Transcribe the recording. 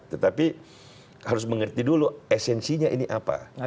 tetapi harus mengerti dulu esensinya ini apa